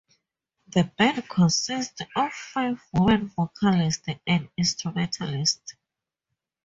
The band consists of five women vocalists and instrumentalists.